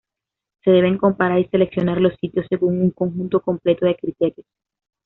Se deben comparar y seleccionar los sitios según un conjunto completo de criterios.